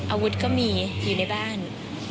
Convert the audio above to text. อาวุธก็มีอยู่ในบ้าน